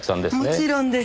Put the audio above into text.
もちろんです。